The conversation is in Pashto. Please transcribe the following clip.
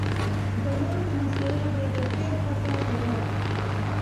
د نورو په مسایلو به یې د خېر هڅه کوله.